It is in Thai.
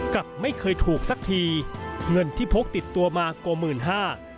กลับไม่เคยถูกสักทีเงินที่โพกติดตัวมาโก่๑๕๐๐๐บาท